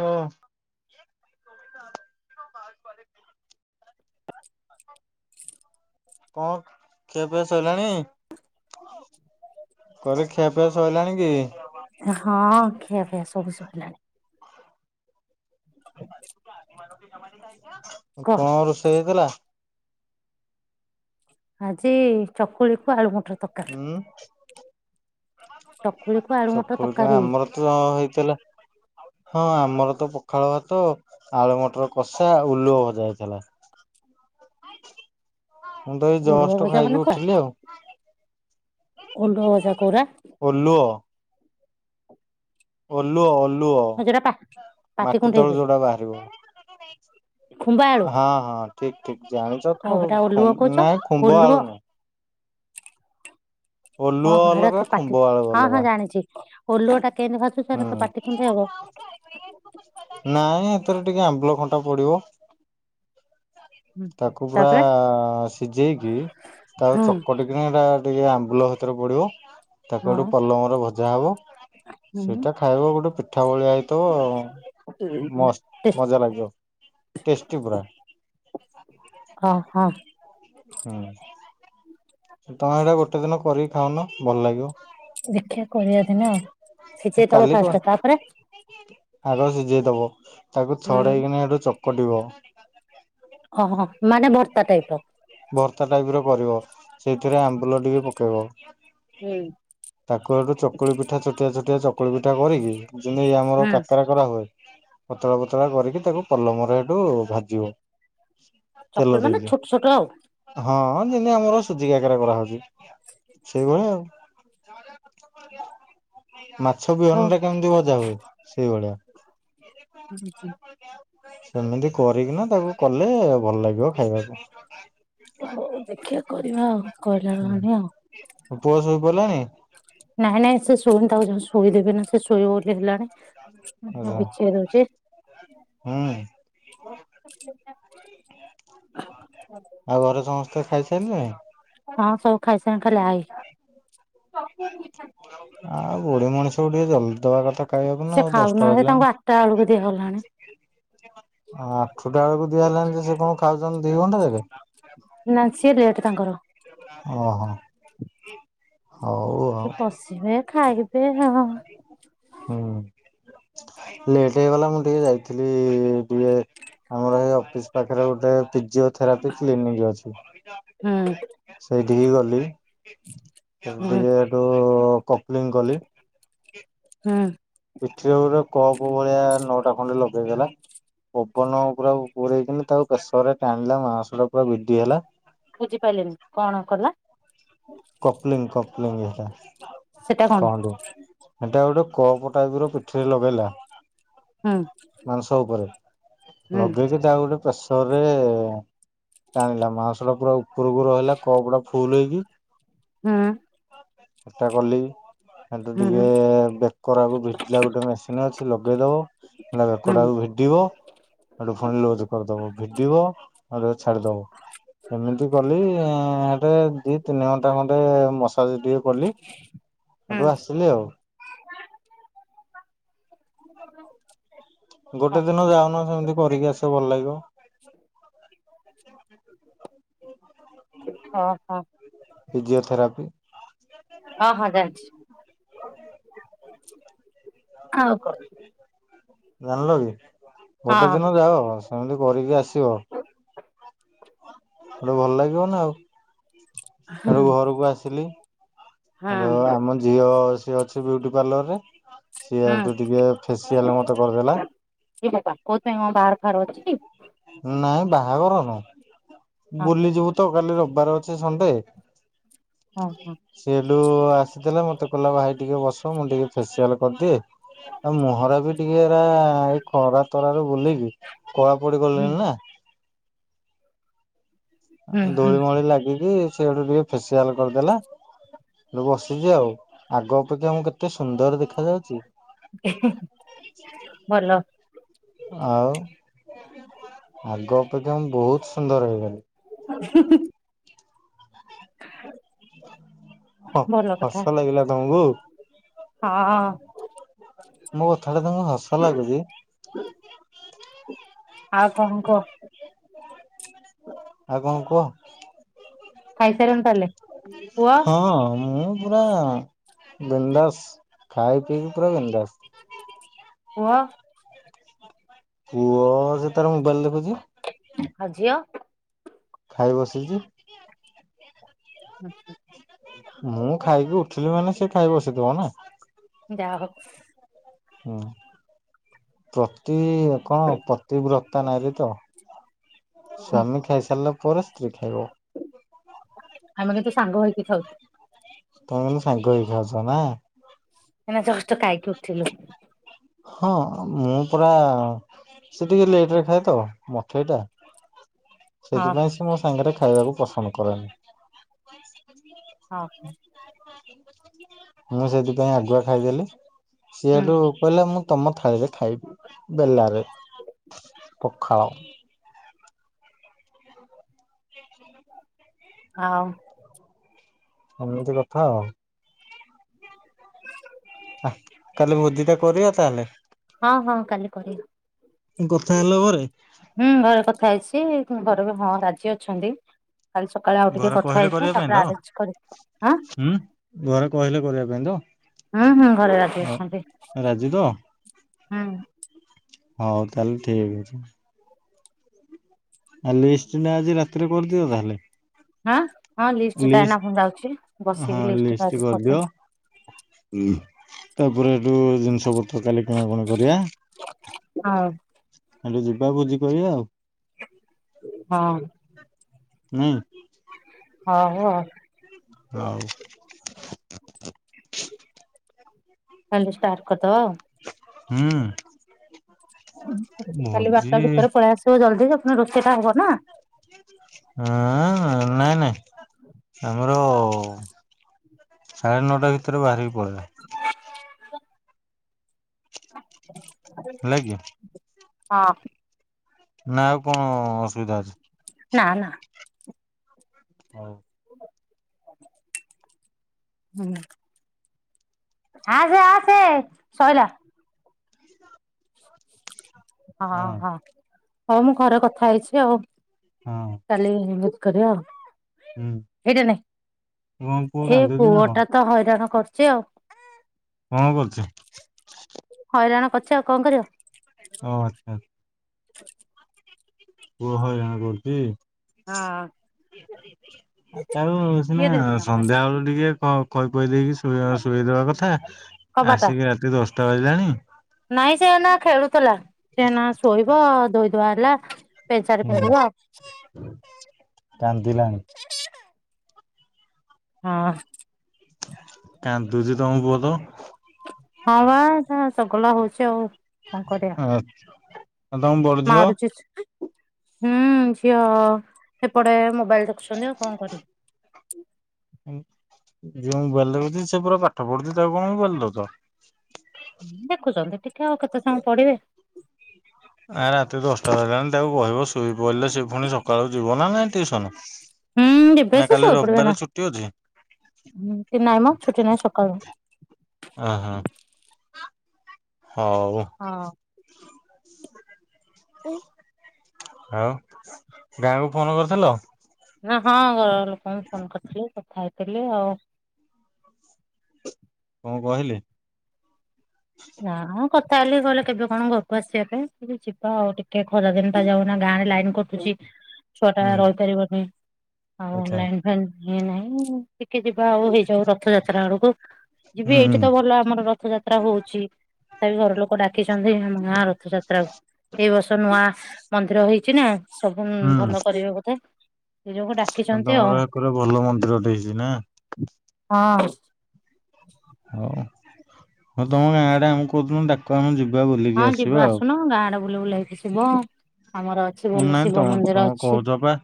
ହଁ। କଣ ଖିଆ ପିଆ ସଇଲାଣି? କଣ ଖିଆପିଆ ସଇଲାଣି କି? ହଁ ଖିଆ ପିଆ ସବୁ ସଇଲାଣି। କହ କଣ ରୋଷେଇ ହେଇଥିଲା? ଆଜି ଚକୁଳି କୁ ଆଳୁମ ହୁଁ। ଚକୁଳିକୁ ଆଳୁ ମଟର ଚକୁଳି ତ ତରକାରୀ ଆମର ତ ହେଇଥିଲା। ହଁ ଆମର ତ ପଖାଳ ଭାତ, ଆଳୁ ମଟର କଷା, ଉଲୁଅ ଭଜା ହେଇଥିଲା। ମୁଁ ତ ଏଇ ଓଲୁଅ ଜଷ୍ଟ ଭଜା ଖାଇକି ମାନେ କୁଆ ଉଠିଲି ଆଉ। ଓଲୁଅ ଭଜା କୋଉରା ଓଲୁଅ। ଓଲୁଅ ଅଲୁଅ ହଁ ଯୋଉଟା ପା ପାଟି ମାଟି କୁଣ୍ଡେଇ ତଳୁ ହୁଏ ଯୋଉଟା ବାହାରିବ। ଖୁମ୍ବା ଆଳୁ ହଁ ହଁ ଠିକ ଠିକ ଜାଣିଛ ତ ଆଉ ହେଟା ଖୁମ୍ବ ଓଲୁଅ କହୁଛ ଖୁମ୍ବ ନାଇଁ ଓଲୁଅ ଆଳୁ ନୁହଁ। ଓଁ ଓଲୁଅ ହଁ ହେରା ଅଲଗା ଖୁମ୍ବ ପାଟି ଆଳୁ ହଁ ଅଲଗା। ହଁ ଜାଣିଛି। ଓଲୁଅ ଟା କେମିତି ଭାଜୁଚ ହୁଁ। ଏରାତ ପାଟି କୁଣ୍ଡେଇ ହବ? ନାଇଁ ହେତିରେ ଟିକେ ଆମ୍ବୁଲ ଖଟା ପଡିବ। ହୁଁ ହୁଁ ତାକୁ ପୁରା ତାପରେ ସିଝେଇକି ତାକୁ ହଁ ଚକଟିକି ନାଇଁ ଟା ଟିକେ ଆମ୍ବୁଲ ହେତିରେ ଟିକେ ପଡିବ। ତାକୁ ହେଠୁ ହଁ ପଲମରେ ଭଜା ହବ ହୁଁ ସେଇଟା ଖାଇବ ଗୋଟେ ପିଠା ଭଳିଆ ହେଇ ଥିବ ମସ୍ତ୍ ଟେଷ୍ଟ ମଜା ଲାଗିବ ଟେଷ୍ଟି ପୁରା। ହଁ ହଁ। ହୁଁ। ତମେ ଏଇଟା ଗୋଟେ ଦିନ କରିକି ଖାଉନ ଭଲ ଲାଗିବ। ଦେଖିଵା କରିବା ଦିନେ ଆଉ ସିଜେଇଦବ କାଲି କ ଫାଷ୍ଟ ତାପରେ ଆଗ ସିଝେଇଦବ ତାକୁ ହୁଁ ଛଡେଇକିନି ହେଠୁ ଚକଟିବ। ଓହୋ ମାନେ ଭର୍ତ୍ତା ଟାଇପର। ଭର୍ତ୍ତା ଟାଇପ ର କରିବ ସେଇଥିରେ ଆମ୍ବୁଲ ଟିକେ ପକେଇବ। ହୁଁ। ତାକୁ ହେଠୁ ଚକୁଳି ପିଠା ଛୋଟିଆ ଛୋଟିଆ ଚକୁଳି ପିଠା କରିକି ଯେମିତିଇ ଆମର ହୁଁ। କାକରା କରା ହୁଏ। ପତଳା ପତଳା କରିକି ତାକୁ ପଲମରେ ହେଠୁ ଭାଜିବ। ତେଲ ଚକୁଳି ମାନେ ଦେଇକି। ଛୋଟ ଛୋଟ ଆଉ। ହଁ ଯେମତି ଆମର ସୁଜି କାକେରା କରାହଉଛି ସେଇଭଳିଆ ଆଉ। [inaudible] ମାଛ ହଉ। ବିହନ ଟା କେମିତି ଭଜା ହୁଏ ସେଇଭଳିଆ। ହୁଁ ହୁଁ। ସେମିତି କରିକିନା ତାକୁ କଲେ ଭଲ ଲାଗିବ ଖାଇବାକୁ। ହଉ ଦେଖିବା କରିବା ଆଉ କହିଲଣି ମାନେ ଆଉ। ପୁଅ ଶୋଇପଡ଼ିଲାଣି? ନାଇଁ ନାଇଁ ସେ ଶୋଇନି ତାକୁ ଯାଉଚି ଶୋଇଦେବି ଏନା ସେ ଶୋଇବ ବୋଲି ହେଲାଣି। ହ ଆଚ୍ଛା। ବିଛେଇଦୋଉଛି। ହୁଁ ଆ [inaudible] ଆଉ ଘରେ ସମସ୍ତେ ଖାଇସାରିଲେଣି? ହଁ ସବୁ ଖାଇସାରେଲେଣି ଖାଲି ଆଇ। ଆଉ ବୁଢ଼ୀ ମଣିଷକୁ ଟିକେ ଜଲଦି ଦବା କଥା। ଖାଇବାକୁ ସେ ନା ଆଉ ଦଶଟା ଖାଉନାହାନ୍ତି ତାଙ୍କୁ ବାଜିଲାଣି। ଆଠଟା ବେଳକୁ ଦିଆଗଲାଣି। ଆଠୁଟା ବେଳକୁ ଦିଆ ହେଲାଣି ଯେ ସେ କଣ ଖାଉଛନ୍ତି ଦି ଘଣ୍ଟା ଯାକେ। ନାଁ ସିଏ ଲେଟ୍ ତାଙ୍କର। ଓହୋ। ହୋଉ। ସେ ପଶିବେ ଖାଇବେ ହଁ। ହୁଁ ଲେଟ୍ ହେଇଗଲା ମୁଁ ଟିକେ ଯାଇଥିଲି ଟିକେ ଆମର ଏଇ ଅଫିସ ପାଖରେ ଗୋଟେ ଫିଜିଓଥେରାପି କ୍ଲିନିକ ଅଛି। ହୁଁ ସେଇଠିକି ଗଲି ସେ ହୁଁ ଟିକେ ଏଠୁ କପଲିଙ୍ଗ କଲି। ହୁଁ। ପିଠିରେ ଗୋଟେ କପ ଭଳିଆ ନଅଟା ଖଣ୍ଡେ ଲଗେଇଦେଲା। ପବନ ପୁରା ପୁରେଇକିନି ତାକୁ ପ୍ରେଶରରେ ଟାଣିଲା ମାଂସ ଟା ପୁରା ଭିଡି ହେଲା। ବୁଝିପାରିଲିନି କଣ କଲା? କପ୍ଲିଙ୍ଗ କପଲିଙ୍ଗ ସେଟା ଏଇଟା କଣ କହନ୍ତି। ହେଟା ଗୋଟେ କପ ଟାଇପ ର ପିଠିରେ ଲଗେଇଲା। ହଁ। ମାଂସ ଉପରେ ଲଗେଇକି ତାକୁ ଗୋଟେ ପ୍ରେସରରେ ଟାଣିଲା, ମାଂସ ଟା ପୁରା ଉପରକୁ ରହିଲା କପଟା ଫୁଲ ହେଇକି ହଁ। ସେଟା କଲି। ହେଠୁ ଧୀରେ ହୁଁ ବେକରାକୁ ଭିଡିଲା ଗୋଟେ ମେସିନ ଅଛି ଲଗେଇ ଦବ ହେଟା ବେକ ହୁଁ ହୁଁ। ଟାକୁ ଭି ଡିବ ହେଟୁ ଫୁଣି ଲୁଜ କରିଦବ ଭିଡିବ ତାପରେ ଛାଡି଼ଦବ, ଏମିତି କଲି ଆଁ [unintelligible] ଦି ତିନି ଘଣ୍ଟା ଖଣ୍ଡେ ମସ୍ ସାଜ୍ ଟିକେ କଲି ହେଠୁ ଆସିଲି ଆଉ। ହଁ ଗୋଟେ ଦିନ ହଁ ଯାଉନ ସେମିତି କରିକି ଆସିବ ଭଲ ଲାଗିବ। [inaudible] ଅଁ ହଁ। ପିଜିଓଥେରାପି। ହଁ ହଁ ଜାଣିଛି ଆଉ କଣ। ଜାଣିଲ କି ଗୋଟେ ହଁ ଦିନ ଯାଅ ସ୍ ସେମିତି କରିକି ଆସିବ, ହେଟୁ ଭଲ ଲାଗିବ ନା ଆଉ। ହୁଁ ହେଟୁ ଘରକୁ ଆସିଲି। ହେଟୁ ହଁ। ଆମ ଝିଅ ସିଏ ଅଛି ବିୁଉଟି ପାର୍ଲର ରେ। ସିଏ ହୁଁ ହେଟୁ ଟିକେ ଫେସିଆଲ ମତେ କରିଦେଲା। ସେଇଟା ତ କୋଉଥି ପାଇଁ କଣ ବାହାଘର ଫାହାଘର ଅଛି କି? ନାଇଁ ବାହାଘର ନୁହଁ, ହଁ ବୁଲିଯିବୁ ତ କାଲି ରବିବାର ଅଛି ସଣ୍ଡେ। ଓ ହୋ। ସେ ହେଠୁ ଆସିଥିଲା ମତେ କହିଲା ଭାଇ ଟିକେ ବସ ମୁଁ ଟିକେ ଫେସିଆଲ କରିଦିଏ। ଆ ମୁହଁରା ବି ଟିକେ ଏରା ଏଇ ଖରା ତରା ରେ ବୁଲିକି କ ପଡ଼ିଗଲିଣି ହୁଁ ନା। ହୁଁ ଆଉ ହୁଁ ଧୂଳି ମଳି ଲାଗିକି ସେଠୁ ଟିକେ ଫେସିଆଲ କରିଦେଲା। ହେଟୁ ବସିଛି ଆଉ, ଆଗ ଅପେକ୍ଷା ମୁଁ କେତେ ସୁନ୍ଦର ଦେଖା ଯାଉଛି। ଭଲ। ଆଉ ଆଗ ଅପେକ୍ଷା ମୁଁ ବୋହୁତ ସୁନ୍ଦର ହେଇଗଲି। ହୁଁ ହୁଁ। [inaudible] ହ ଭଲ କଥା ହସ ଲାଗିଲା ତମକୁ? ହଁ। ମୋ କଥା ଟା ତମକୁ ହସ ଲାଗୁଛ ଆଉ କଣ କହ? ଆଉ କଣ କୁହ ଖାଇସାରିଲଣି ତାହେଲେ ପୁଅ ହଁ ମୁଁ ପୂରା ବିନ୍ଦାସ୍ ଖାଇ ପିଇକି ପୁରା ବିନ୍ଦାସ୍। ପୁଅ? ପୁଅ ସେ ତାର ମୋବାଇଲ ଦେଖୁଛି। ଆଉ ଝୀଅ? ଖାଇ ବସିଛି। ଉଁ ହୁଁ। ମୁଁ ଖାଇକି ଉଠିଲି ମାନେ ସେ ଖାଇ ବସିଥିବ ନା। ଯା ହଉ। ହୁଁ। ପ୍ରତି ଏ କଣ ପ୍ରତିିବ୍ରତା ନାରି ତ। ହୁଁ ସ୍ୱାମୀ ଖାଇ ସାରିଲା ପରେ ସ୍ତ୍ରୀ ଖାଇବ। ଆମେ କିନ୍ତୁ ସାଙ୍ଗ ହେଇକି ଖାଉ। ତମେ କିନ୍ତୁ ସାଙ୍ଗ ହେଇକି ଖାଉଛ ନା? ଏଇନା ଜଷ୍ଟ ଖାଇକି ଉଠିଲୁ। ହଁ ମୁଁ ପୁରା ସେ ଟିକେ ଲେଟ ରେ ଖାଏ ତ ମଠେଇ ଟା। ହଁ ସେଇଥିପାଇଁ ସେ ମୋ ସାଙ୍ଗରେ ଖାଇବାକୁ ପସନ୍ଦ କରେନି। ହଁ। ମୁଁ ସେଇଥିପାଇଁ ଆଗୁଆ ଖାଇଦେଲି ସିଏ ହୁଁ ହେଠୁ କହିଲା ମୁଁ ତମ ଥାଳିରେ ଖାଇବି ବେଲାରେ ପଖାଳ। ଆଉ ଏମିତି କଥା ଆଉ। [inaudible] କାଲି ଭୋଜି ଟା କରିବା ତାହେଲେ ହଁ ହଁ କାଲି କରିବା। କଥା ହେଲ ଘରେ ହୁଁ ଘରେ କଥା ହେଇଛି ଘରେ ହଁ ରାଜି ଅଛନ୍ତି। କାଲି ସକାଳେ ଆଉ ଟିକେ ଘରେ କଥା କହିଲେ ହେଇଛି କରିବା ପାଇଁ ତ ତାପରେ ଆରେଞ୍ଜ କରିିବା ଆଁ ହୁଁ ଘରେ କହିଲେ କରିବା ପାଇଁ ତ ହୁଁ ହୁଁ ଘରେ ରାଜି ଅଛନ୍ତି ରାଜି ତ? ହୁଁ ହଉ ତାହେଲେ ଠିକ ଅଛି। [inaudible] ଆ ଲିଷ୍ଟ ନା ଆଜି ରାତିରେ କରିଦିଅ ତାହେଲେ। ଆଁ ହଁ ହଁ ଲିଷ୍ଟ ଟା ଏନା ମୁଁ ଯାଉଛି ହଁ ବସିକି ଲିଷ୍ଟ ଟା କରିଦିଅ କରିଦେବି। ତାପରେ ଏଠୁ ଜିନିଷ ପତ୍ର କାଲି କିଣାକଣି କରିବା। ହଁ ଏଠୁ ଯିବା ଭୋଜି କରିବା ଆଉ। ହଁ ହୁଁ ହୋଉ ଆଉ। ହଉ କାଲି ଷ୍ଟାର୍ଟ କରିଦବା ଆଉ। ହୁଁ କାଲି ଭୋଜି ବାରଟା ଭିତରେ ପଳେଇ ଆସିବ ଜଲ୍ଦୀ ଆ ରୋଷେଇ ଟା ହବ ନା ଆଁ ନାଇଁ ନାଇଁ ଆମର ସାଢ଼େ ନଅଟା ଭିତରେ ବାହାରିକି ପଳେଇବା। ହେଲା କି ହଁ ନା ଆଉ କଣ ଅସୁବିଧା ଅଛି? ନା ନା ହଉ ହୁଁ ହଁ ଆସେ ଆସେ ସରିଲା। ହଁ ହଁ ହଉ ମୁଁ ଘରେ କଥା ହେଇଛି ଆଉ। ହଁ କାଲି ନିମତି କରିବା ଆଉ ହୁଁ ଏଇଟା କଣ ପୁଅ ନାଇଁ ଏ କାନ୍ଦୁଛି ନା କଣ? ପୁଅଟା ତ ହଇରାଣ କରୁଛି ଆଉ। କଣ କରୁଛି? ହଇରାଣ କରିଛି ଆଉ କଣ କରିବ। ହଉ ଆଚ୍ଛା ପୁଅ ହଇରାଣ କରୁଛି। ହଁ [inaudible] ତାକୁ କିଏ ସିନା ଦେଇଥିଲା ସନ୍ଧ୍ୟା ବେଳୁ ଟିକେ ଖୁଏଇ ପିଏଇ ଦେଇକି ଶୋଇଦବା କଥା। କବାଟ ଆସିକି ରାତି ଦଶଟା ବାଜିଲାଣି। ନାଇଁ ସେନା ଖେଳୁଥିଲା ସେନା ଶୋଇବ ଧୋଇଧୁଆ ହେଲା। ପେନ୍ସାର୍ଟ ହୁଁ ପିନ୍ଧିବ। କାନ୍ଦିଲାଣି। ହଁ କାନ୍ଦୁଛି ତମ ପୁଅ ତ ହଁ ବା ଏଟା ଚଗଲା ହଉଛି ଆଉ। କଣ କରିବା ଆଉ ତମ ବଡ ଝିଅ ମାରୁଚି ସେ। ହୁଁ ସିଏ ହେପଟେ ମୋବାଇଲ ଦେଖୁଛନ୍ତି ଆଉ କଣ କରିବେ। ଝିଅ ମୋବାଇଲ ଦେଖୁଚି ସେ ପରା ପାଠ ପଢୁଛି ତାକୁ କଣ ମୋବାଇଲ ଦଉଚ। ଦେଖୁଛନ୍ତି ଟିକେ ଆଉ କେତେ ସମୟ ପଢୀବେ। ଆ ରାତି ଦଶଟା ବିଯିଲାଣି ତାକୁ କହିବ ଶୋଇ ପଡ଼ିଲେ ସେ ପୁଣି ସକାଳୁ ଯିବ ନା ନାଇଁ ଡିଉସନ। ହୁଁ ଏବେ ସେ ସୋଇ ପଡିବ ନା ଅଛି ନାଇଁ ମ ଛୁଟି ନାଇଁ ସକାଳୁ। ଓ ହେଁ ହଉ। ହଁ। ହୁଁ। ଆଉ ଗାଁକୁ ଫୋନ କରିଥିଲ। ହଁ ଘର ଲୋକଙ୍କୁ ଫୋନ କରିଥିଲି କଥା ହେଇଥିଲି ଆଉ। କଣ କହିଲି। ହଁ କଥା ହେଲେ କହିଲେ କେବେ କଣ ଘରକୁ ଆସିବା ପାଇଁ ଯିବା ଆଉ ଟିକେ ଖରାଦିନିତା ଯାଉନା ଗାଁରେ ଲାଇନ କ କାଟୁଛି ଛୁଆ ଟା ହୁଁ ରହିପାରିବନି ଆଚ୍ଛା ଆଉଲାଇନ ଲାଇନ ନାଇଁ ଟିକେ ଯିବା ଆଉ ହେଇଯାଉ ରଥଯାତ୍ରା ଆଡକୁ। ଯିବି ଏଇଠି ହୁଁ ତ ଭଲ ଆମର ରଥଯାତ୍ରା ହଉଛି। ତଥାପି ଘର ଲୋକ ଡାକିଛନ୍ତି ମା ରଥଯାତ୍ରା ଏଇ ବର୍ଷ ନୂଆ ମନ୍ଦିର ହେଇଛି ନା। ସବୁ ହୁଁ ଭଲ କରିବେ ବୋଧେ ନିଜ ଡା ତମର ଏହାକରେ ଭଲ ମନ୍ଦିରଟେ ହେଛି ନା। ହଁ। ହଉ ହଉ ତମ ଗାଁଡେ ଆମକୁ ଡାକ ଆମେ ଯିବା ବୁଲିକି ଆସିବା ଆଉ। ତମ ଗାଁ ଆଡ ବୁଲି ବୁଲା କି ଯିବ ଆମର। ଅଛି ଭଲ ନାଇଁ ଶିବ ତମ ମନ୍ଦିର ତମେ ଅଛି। କହୁଛ ବା।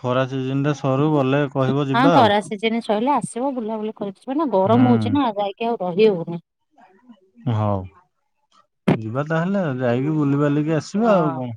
ଖରା ସିଜିନଟା ସରୁ ଗଲେ କହିବ ଯିବା ଆଉ। ସିଇଲେ ଆସିବ ବୁଲାବୁଲି କରିିଯିବ ନା ଗରମ ହଉଛି ହୁଁ ନା ଯାଇକି ଆଉ ରହିହଉନି। ହଉ ଯିବା ତାହେଲେ ଆଉ ଯାଇକି ବୁଲିବାଲିକି ଆସିବା ହଁ ଆଉ କଣ।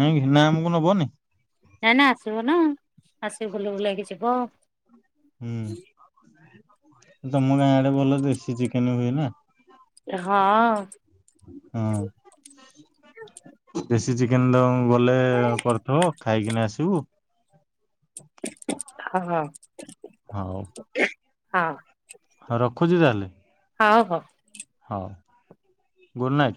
ନାଇଁକି ନା ଆମକୁ ନବନି। ନାଇଁ ନାଇଁ ଆସିବ ନା ଆସିକି ବୁଲି ବୁଲାକି ଯିବ। ହୁଁ ତମ ଗାଁ ଆଡେ ଭଲ ଦେଶୀ ଚିକେନ ହୁଏ ନା। ହଁ। ହୁଁ ଦେଶୀ ଚିକେନ ଦ ଗଲେ କରିଥିବ ଖାଇକିନି ଆସିବୁ। ହଁ ହଁ। ହଉ। ହଉ। ହଉ ରଖୁଛି ତାହାଲେ। ହଁ ହଉ। ହଉ ଗୁଡ଼ ନାଇଟ୍।